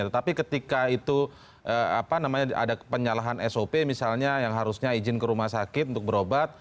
tetapi ketika itu apa namanya ada penyalahan sop misalnya yang harusnya izin ke rumah sakit untuk berobat